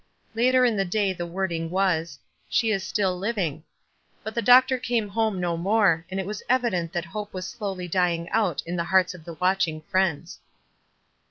Later in the day the wording was :" She is still living." But the doctor came home no more, and it was evident that 18 274 WISE AND OTHERWISE. hope was slowly dying out in the hearts of the watching friends.